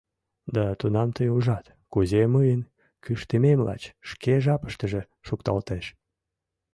Да тунам тый ужат, кузе мыйын кӱштымем лач шке жапыштыже шукталтеш.